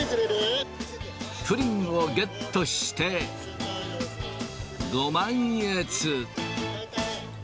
プリンをゲットして、ご満悦。